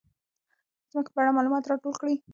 د ځمکې په اړه معلومات راټول کړئ.